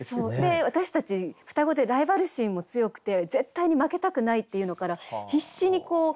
私たち双子でライバル心も強くて絶対に負けたくないっていうのから必死に勉強していて。